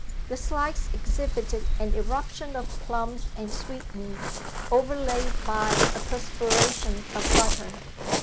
The slice exhibited an eruption of plums and sweetmeats, overlaid by a perspiration of butter.